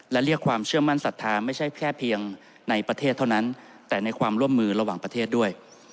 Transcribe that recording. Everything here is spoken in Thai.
และเรียกความเชื่อมั่นศรัทธาไม่ใช่แค่เพียงในประเทศเท่านั้นแต่ในความร่วมมือระหว่างประเทศด้วย